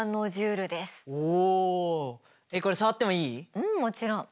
うんもちろん。